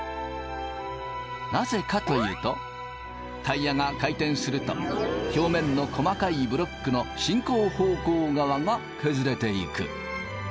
なぜかというとタイヤが回転すると表面の細かいブロックの進行方向側が削れていく。